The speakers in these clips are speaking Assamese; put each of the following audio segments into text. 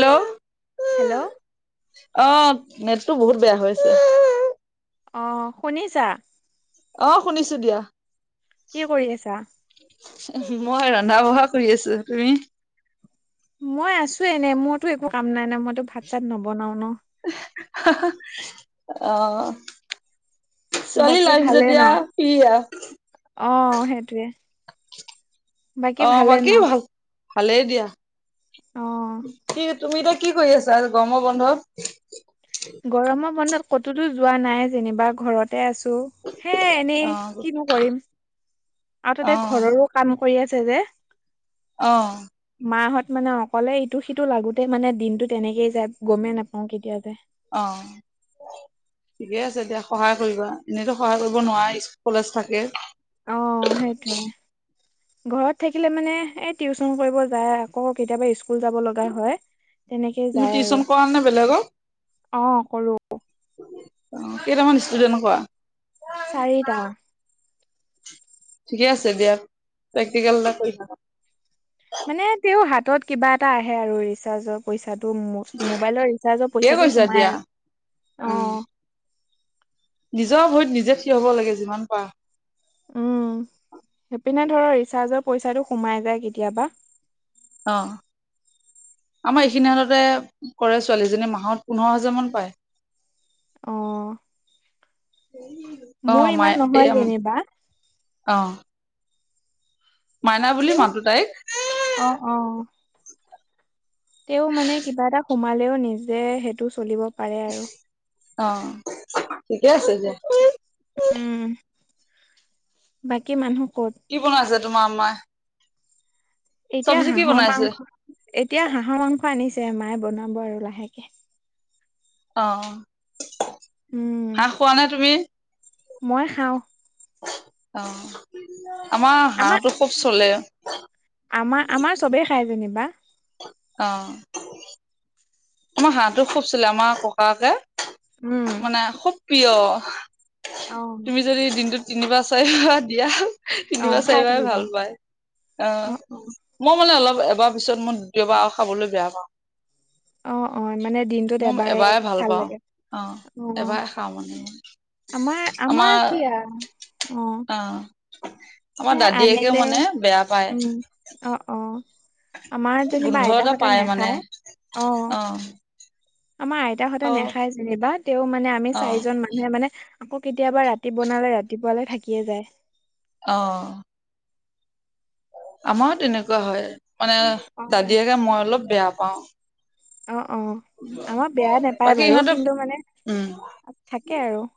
হেল্ল'? হেল্ল'? অ', নেটটো বহুত বেয়া হৈছে। অঁ', শুনিছা? অ', শুনিছো দিয়া। কি কৰি আছা? মই ৰন্ধা বঢ়া কৰি আছো তুমি? মই আছো এনে মোৰতো একো কাম নাই নাই মইতো ভাত চাত নবনাও ন। অ'। ছোৱালী বাকী লাইফ ভালে ন যেতিয়া কিয়া। অ', সেইটোৱে। অ', বাকী ভাল ভালেই দিয়া অ কি তুমি এতিয়া কি কৰি আছা আৰু গম বন্ধ? গৰমৰ বন্ধত ক'তোতো যোৱা নাই যেনিবা ঘৰতে আছো। হে অ এনেই কিনো কৰিম। আৰু অ তাতে ঘৰৰো কাম কৰি আছে যে। অ'। মাহত মানে অকলে ইটো সিটো লাগোতেই মানে দিনটো তেনেকেই যায় গমেই নাপাওঁ কেতিয়া যায়। অ'। ঠিকে আছে দিয়া সহায় কৰিবা এনেইতো সহায় কৰিব নোৱাৰা কলেজ থাকে। অ', সেইটোৱে। ঘৰত থাকিলে মানে এ টিউচন কৰিব যায় আকৌৌ কেতিয়াবা স্কুল যাব লগা হয়। তেনেকে তুমি যায় আৰু টিউচন কৰা নে বেলেগক অ', কৰো। অ', কেইটামান ষ্টুডেন্ট কৰা? চাৰিটা। ঠিকে আছে দিয়া প্ৰেক্টিকেল এটা কৰি মানে তেওঁ হাতত কিবা এটা আহে আৰু ৰিচাৰ্জৰ পইচাটো মোবাইলৰ ৰিচাৰ্জৰ ঠিকে পইচাটো কৈছা সোমাই দিয়া আৰু উম। অ'। নিজৰ ভৰিত নিজে থিয় হব লাগে যিমান পাৰা। উম সেইপিনে ধৰ ৰিচাৰ্জৰ পইচাটো সোমাই যায় কেতিয়াবা। অ'। আমাৰ এইখিনি হততে কৰে ছোৱালীজনী মাহত পোন্ধৰ হাজাৰ মান পায়। অঁ'। অ', ইমান মাইে নহয় এইয়া যেনিবা অ'। মাইনা বুলি তেওঁ মাতো তাইক। অ', অ', তেওঁ মানে কিবা এটা সোমাই পালেও নিজে সেইটো চলিব পাৰে আৰু। অ', ঠিকে আছে যে। উম বাকী মানুহ ক'ত? কি বনাইছে তোমাৰ মাই? এতিয়া হাঁহৰ বনাইছে মাংস এতিয়া হাঁহৰ মাংস আনিছে মায়ে বনাব আৰু লাহেকে। অ'। উম। হাঁহ খোৱা নে তুমি? মই খাওঁ। অ আমাৰ হাঁহটো খুব চলে আমাৰ আমাৰ চবেই খাই যেনিবা অ আমাৰ হাঁহটো খুবছিলে আমাৰ ককাকে উম মানে খুব প্ৰিয় অ তুমি যদি দিনটোত তিনিবাৰ চাৰিবাৰ দিয়া অ', তিনিবাৰ খাই চাৰিবাৰে থাকিব ভাল পায় অ মই মানে অলপ এবাৰ পিছত মই দে এবাৰ খাবলৈ বেয়া পাওঁ অ অ মানে দিনটোত এবাৰে ভাল লাগে অ এবাৰ খাওঁ মানে আমাৰ আমাৰ কি অ অ সে আমাৰ দাদীয়েকে আনিলে মানে বেয়া পায় উম অ অ আমাৰ গোন্ধ যেনিবা এটা আইতাহঁতে পায় মানে নেখায় অ আমাৰ আইতাহঁতে অ নেখাই যেনিবা তেও মানে আমি অ চাৰিজন মান মানে আকৌ কেতিয়াবা ৰাতি বনালে ৰাতিপুৱালৈ থাকিয়ে যায় অ আমাৰো তেনেকুৱা হয় মানে অ দাদীয়েকে মই অলপ বেয়া পাও অ অ আমাৰ বেয়া নাপায় বাকী বাৰু ইহঁতে কিন্তু মানে উম থাকে আৰু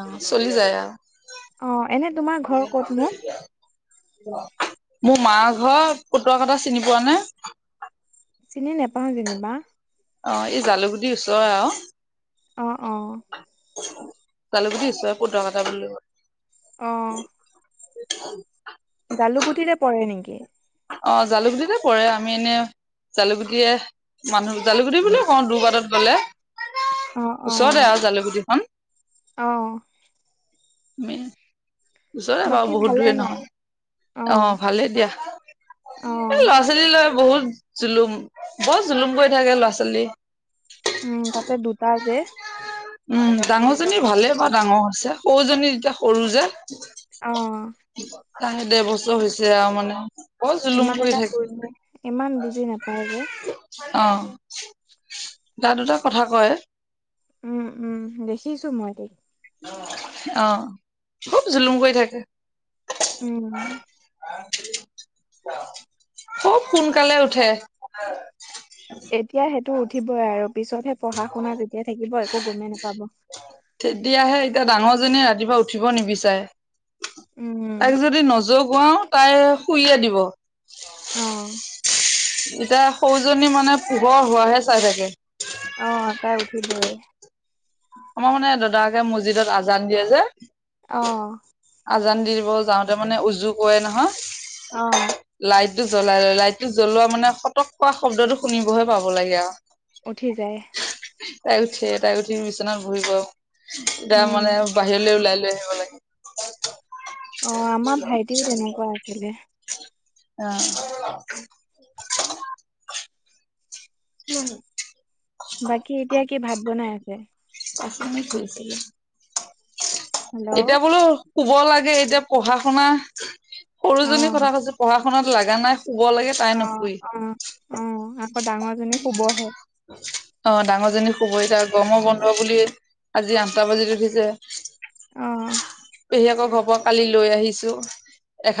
অ চলি যায়া অ এনে তোমাৰ ঘৰ ক'তনো মোৰ মা ঘৰ ফুতুৱ কটা চিনি পোৱা নে চিনি নোপাওঁ যেনিবা অ এই জালুকুিৰ ওচৰ আৰু অ অ জালুক দিছো পো কটা বুলি কল অ অ জালু গুটিৰে পৰে নেকি অ জালুকতে পৰে আমি এনে জালুকুটিয়ে মানুহ জালুকুটি বুলি কওঁ দুৰবাটত গলে অ অ ওচৰতে আৰু অ জালুকুটিখনমি ওচৰে বাৰু বাকী বহুত ভালে দূৰে ন নহয় অ ভালেই দিয়া অ এই লৰা ল'ৰা ছোৱালী লৈ বহুত জুলুম বহত জুলুম কৰি থাকে ল'ৰা ছোৱালী উম তপ দুটা যে উম ডাঙৰ জনী ভালে বা ডাঙৰ আছে সৰুজনী যেতিয়া সৰু যে অ তাহে দেৰ বছৰ হৈছে আৰু মানে বৰ জুলুম ইমান কৰি এটা থাকে কৰিলে ইমান বুজি নাপায় যে অ দা দুটা কথা কয় উম উম দেখিছো মই অ খুব জুলুম কৰি থাকে উম খুব সোনকালে উঠে এতিয়া সেইটো উঠিবই আৰু পিছতহে পঢ়া শুনা তেতিয়া থাকিব একো গমেই নাপাব এতিয়াহে এতিয়া ডাঙৰ জীয়ে ৰাতিপুৱা উঠিব নিবিচাৰে তাইক উম যদি নজগুৱাও তাই শুই দিব অ এতিয়া সৰুজনী মানে পোহৰ হোৱাহে চাই থাকে অ তাই উঠিবয়ে আমাৰ মানে দাদাকে মছজিদত আজান দিয়ে যে অ আজান দি দিব যাওঁতে মানে উজু কৰে নহয় লাইট জ্বলাই জ্বলাই লাইটটো জ্বলোৱা মানে খতক কৰা শব্দটো শুনিবহে পাব লাগে আও উঠি যায়। তাই উঠেই তাই উঠি বিচনাত বহিব। উম তাৰমানে বাহিৰলে ওলাই লৈ আহিব লাগে। অ আমাৰ ভাইটিও তেনেকুৱা আছিলে [unintelligible] অ। [unintelligible] উম। বাকী এতিয়া কি ভাত বনাই আছে? হেল্ল' [unintelligible] এতিয়া বোলো শুব লাগে এতিয়া পঢ়া-শুনা অ সৰুজনীৰ কথা কৈছো পঢ়া-শুনাত লাগা নাই। শুব লাগে তাই অ নুশুই। অ অ আকৌ ডাঙৰজনী শুবহে? অ ডাঙৰজনী শুব এতিয়া গৰমৰ বন্ধ বুলি আজি আঠটা বাজিত উঠিছে। অ। পেহীয়েকৰ ঘৰৰ পৰা কালি লৈ আহিছো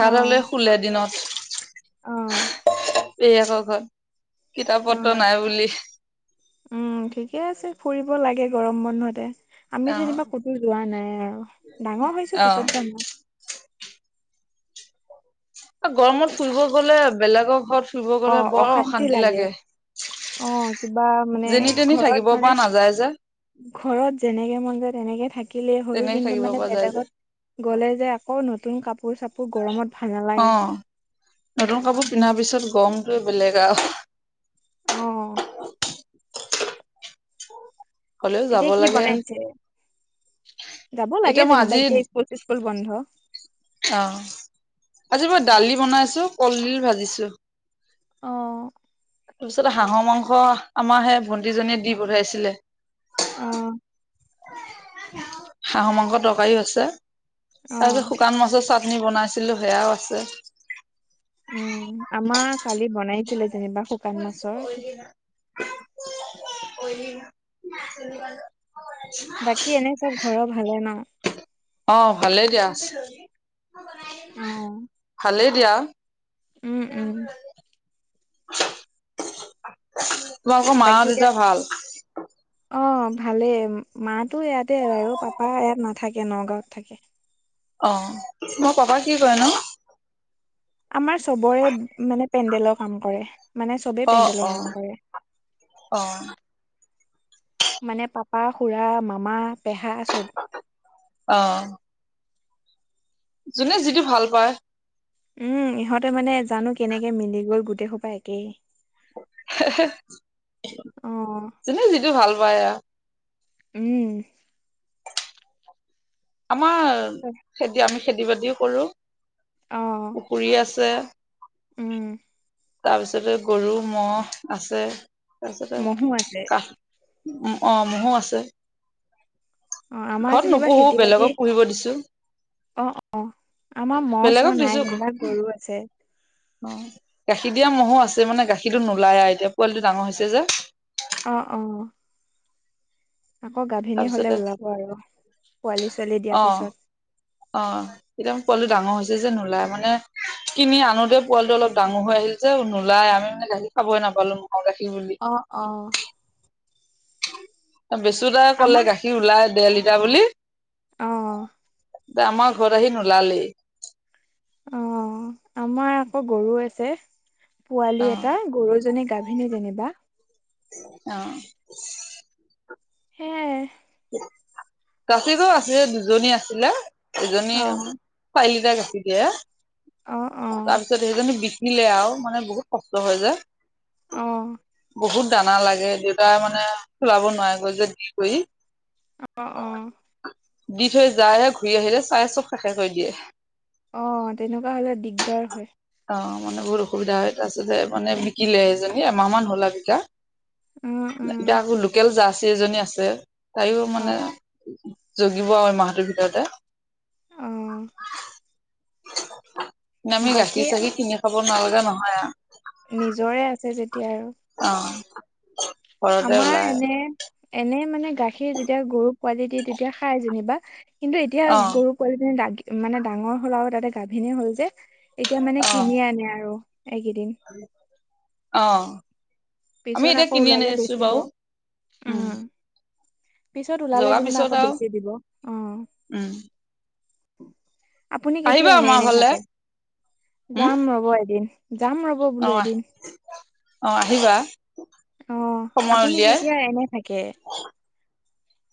অ শুলে দিনত। অ পেহীয়েকৰ ঘৰত অ কিতাপ-পত্ৰ নাই বুলি উম ঠিকেই আছে ফুৰিব লাগে গৰম বন্ধতে আমি অ', যেনিবা ক'তো যোৱা নাই আৰু ডাঙৰ হৈছো অ', পিছত যাম গৰমত ফুৰিব গ'লে বেলেগৰ ঘৰত ফুৰিব অ গ'লে বৰ অশান্তি লাগে। অ কিবা মানে যেনি তেনি ঘৰত থাকিব মানে পৰা নাযায় যে ঘৰত যেনেকে মন যায় তেনেকেই থাকিলেই হ'ল তেনেকে কিন্তু থাকিব মানে পৰা যায় যে বেলেগত গ'লে যে আকৌ নতুন কাপোৰ-চাপোৰ গৰমত ভাল অ নালাগে নতুন কাপোৰ পিন্ধাৰ পিছত গৰমটোয়ে বেলেগ আও। অ। হ'লেও যাব এতিয়া কি লাগে। বনাইছে? যাব লাগে এতিয়া মই যেনিবা আজি এতিয়া স্কুল-চিচস্কুল বন্ধ। অ। আজি মই দালি বনাইছো, কলডিল ভাজিছো। অ তাৰপিছত হাঁহৰ মাংস আমাৰ সেই ভণ্টিজনীয়ে দি পঠাইছিলে। অ হাঁহ মাংসৰ তৰকাৰীও আছে। অ তাৰপিছত শুকান মাছৰ চাটনি বনাইছিলো সেয়াও আছে। উম আমাৰ কালি বনাইছিলে যেনিবা শু [unintelligible] বাকী এনেই চব ঘৰৰ ভালে ন? অ ভালেই দিয়া। অ। ভালেই দিয়া। উম উম। তোমালোকৰ মা বাকী আৰু এতিয়া দেউতাৰ ভাল? [inaudible] অ ভালেই মা টো ইয়াতে আৰু পাপা ইয়াত নাথাকে নগাঁৱত থাকে। অ তোমাৰ পাপাই কি কৰে নো? আমাৰ চবৰে মানে পেণ্ডেলৰ কাম কৰে মানে চবেই অ অ পেণ্ডেলৰ কাম কৰে। অ। মানে পাপা, খুৰা, মামা, পেহা চব। অ। যোনে যিটো ভাল পায়। উম ইহঁতে মানে জানো কেনেকে মিলি গ'ল গোটেইসোপা একেই। [unintelligible] অ যোনে যিটো ভাল পায় আও। উম। আমাৰ [inaudible] খেতি আমি খেতি বাতিও কৰোঁ। অ', উম। তাৰপিছতে গৰু ম'হ আছে তাৰপিছতে ম'হো আছে কাঠ অ', ম'হো আছে। অ আমাৰ ঘৰত যেনিবা নুপুহো খেতি বাতি বেলেগক পুহিব দিছোঁ। অ', অ', আমাৰ ম'হ চ'হ দিছো নাই ঘৰত যেনিবা গৰু আছে। অ', গাখীৰ দিয়া ম'হো আছে মানে গাখীৰটো নোলাই আৰু এতিয়া পোৱালিটো ডাঙৰ হৈছে যে। অ', অ'। আকৌ গাভিনী হ'লে তাৰপিছতে ওলাব আৰু পোৱালি ছোৱালী দিয়াৰ অ পিছত। অ', এতিয়া মোৰ পোৱালিটো ডাঙৰ হৈছে যে নোলাই মানে কিনি আনোতে পোৱালটো অলপ ডাঙৰ হৈ আহিল যে নোলাই আমি মানে গাখীৰ খাবই নাপালোঁ, ম'হৰ গাখীৰ বুলি। অ', অ'। বেচু দাই ক'লে আমাৰ গাখীৰ ওলাই ডেৰ লিটাৰ বুলি। অ'। এতিয়া আমাৰ ঘৰত আহি নোলালেই। অ', আমাৰ আকৌ গৰু আছে, অ পোৱালী এটা গৰুজনী গা গাভিনী যেনিবা। অ'। সেইয়াই। [inaudible] [unintelligible] আছিলে দুজনী আছিলে এজনী অ চাৰিলিটাৰ গাখীৰ দিয়ে। অ', অ'। তাৰপিছত সেইজনী বিকিলে আৰু মানে বহুত কষ্ট হয়, যে অ বহুত দানা লাগে দেউতাই মানে চলাব নোৱাৰিব যে দি কৰি। [unintelligible] অ'। দি থৈ যায় হে ঘূৰি আহিলে চাই চব শেষে কৰি দিয়ে। অ', তেনেকুৱা হ'লে দিগদাৰ হয়। অ', মানে বহুত অসুবিধা হয়, তাৰপিছতে মানে বিকিলে সেইজনী এমাহ মান হ'ল আৰু বিকা। উম উম এতিয়া আকৌ লোকেল জাৰ্চি এজনী আছে, তাইও অ মানে জগিব আৰু এই মাহটোৰ ভিতৰতে। অ আমি বাকী গাখীৰ চাখীৰককিনি খাব না লাগা নহয় আৰু। নিজৰে আছে যেতিয়া আৰু। অ'। ঘৰতে আমাৰ ওলাই এনে, এনে মানে গাখীৰ যেতিয়া গৰুক পোৱালি দিয়ে তেতিয়া খাই যেনিবা কিন্তু এতিয়া অ গৰু পোৱালিজনী মানে ডাঙৰ হ'ল আৰু তাতে গাভিনী হ'ল যে এতিয়া মানে অ কিনি আনে আৰু এইকেইদিন। অ'। আমি পিছত এতিয়া আকৌ কিনি ওলালে আনিছো বেচিব বাৰু উম। পিছত ওলালে জগাৰ যেনিবা পিছত আকৌ আৰু বেচি দিব উম। উম আপুনি কেতিয়া আহিবা এনে, আমাৰ এনে ঘৰলে থাকে? উম যাম ৰ'ব এদিন। যাম ৰ'ব। বোলো অ', আহ, এদিন অ', আহিবা। অ সময় আপুনি উলিয়াই। কেতিয়া এনে থাকে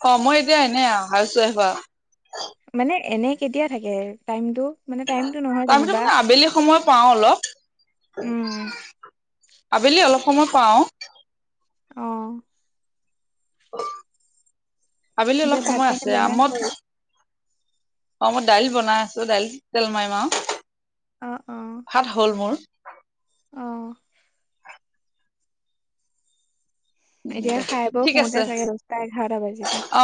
অ', মই এতিয়া এনে হাউচ ৱাইফ আৰু। মানে এনে কেতিয়া থাকে টাইমটো? মানে টাইমটো নহয় টাইমটো যেনিবা মানে আবেলি সময় পাওঁ অলপ। উম আবেলি অলপ সময় পাওঁ। অ'। আবেলি অলপ এতিয়া ভাত সময় পানী আছে আ, বনাই মত হ'ল অ', মই দাইল বনাই আছোঁ দাইল তেল মাৰিম আও। অ অ ভাত হ'ল মোৰ অঁ উ এতিয়া দে খাই বৈ ঠিক শুওঁতে আছে চাগে দহটা এঘাৰটা বাজিব অ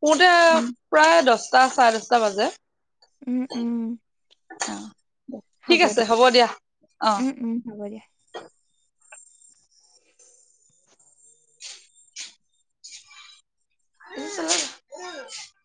কোনতে উম প্ৰায় দশটা চাৰে দশটা বাজে উম উম অ ঠিক আছে, হ'ব দিয়া। অ, উম উম হ'ব দিয়া। ছিল [unintelligible]